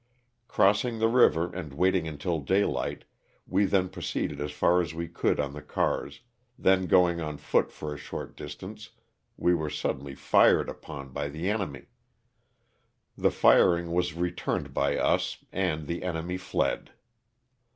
Crossing the river and waiting until daylight, we then proceeded as far as we could on the cars, then going on foot for a short distance we were suddenly fired upon by the enemy. The firing was returned by us and the enemy fled.